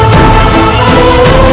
baik ayahanda prabu